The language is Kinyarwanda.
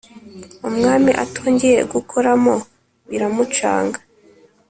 umwami atongeye gukoramo biramucanga